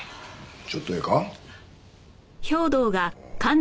ちょっとええか？